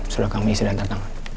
sudah kami sedang datang